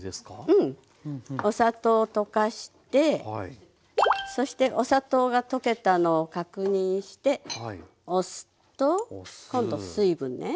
うんお砂糖を溶かしてそしてお砂糖が溶けたのを確認してお酢と今度水分ね。